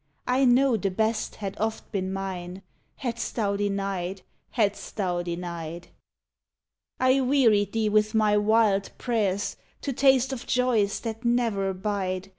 I know the best had oft been mine Hadst Thou denied! Hadst Thou denied! I wearied Thee with my wild prayers To taste of joys that ne'er abide.